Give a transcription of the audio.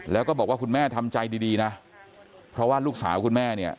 แล้วก็บอกว่าคุณแม่ทำใจดีนะเพราะว่าลูกสาวคุณแม่เนี่ย